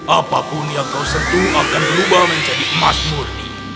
apapun yang kau sentuh akan berubah menjadi emas murni